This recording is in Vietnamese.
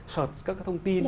search các cái thông tin